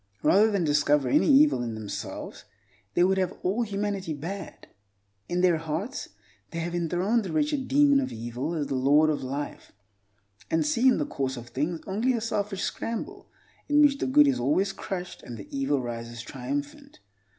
Rather than discover any evil in themselves, they would have all humanity bad. In their hearts they have enthroned the wretched Demon of Evil as the Lord of Life, and see in the course of things only a selfish scramble in which the good is always crushed and the evil rises triumphant.